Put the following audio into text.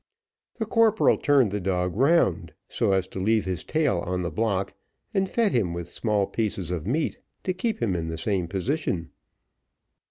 The corporal turned the dog round, so as to leave his tail on the block, and fed him with small pieces of meat, to keep him in the same position.